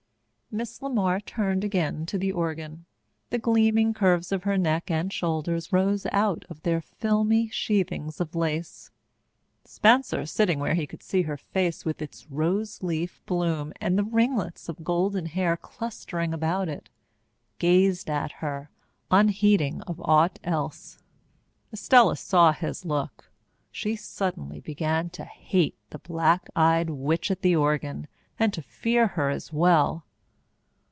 Miss LeMar turned again to the organ. The gleaming curves of her neck and shoulders rose out of their filmy sheathings of lace. Spencer, sitting where he could see her face with its rose leaf bloom and the ringlets of golden hair clustering about it, gazed at her, unheeding of aught else. Estella saw his look. She suddenly began to hate the black eyed witch at the organ and to fear her as well.